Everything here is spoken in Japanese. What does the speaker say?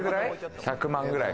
１００万ぐらい？